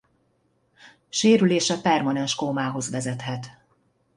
Sérülése permanens kómához vezethet.